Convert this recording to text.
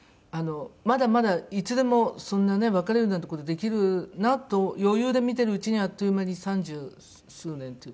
まだまだいつでもそんなね別れるなんて事できるなと余裕で見てるうちにあっという間に三十数年という。